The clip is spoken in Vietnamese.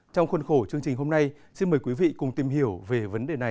trong khuôn khổ chương trình hôm nay xin mời quý vị cùng tìm hiểu về vấn đề này